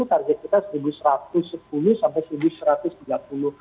target kita rp satu satu ratus sepuluh sampai rp satu satu ratus tiga puluh